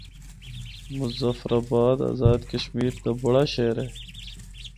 مظفرآباد آزاد کشمیر دا بڑا شہر اے۔